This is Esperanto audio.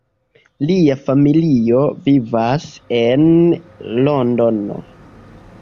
Lia familio vivas en Londono.